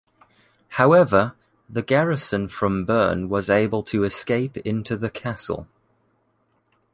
However, the garrison from Bern was able to escape into the castle.